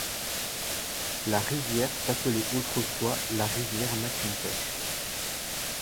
La rivière s'appelait autrefois la rivière MacIntosh.